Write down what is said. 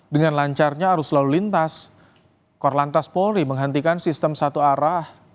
dengan lancarnya arus lalu lintas korlantas polri menghentikan sistem satu arah